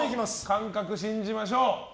感覚を信じましょう。